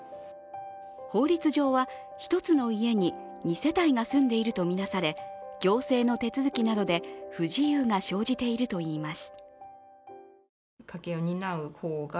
法律上は一つの家に２世帯が住んでいるとみなされ、行政の手続きなどで不自由が生じているといいます。